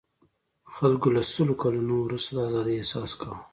خلکو له سلو کلنو وروسته د آزادۍاحساس کاوه.